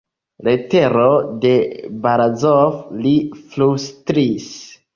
Letero de Barazof, li flustris.